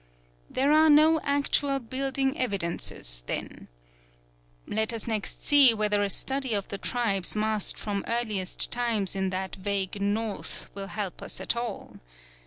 There are no actual building evidences, then. Let us next see whether a study of the tribes massed from earliest times in that vague north will help us at all.